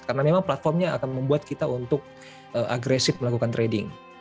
karena memang platformnya akan membuat kita untuk agresif melakukan trading